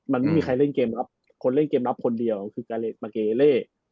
มันไม่มีใครเล่นเกมรับคนเล่นเกมรับคนเดียวคือมาเกเล่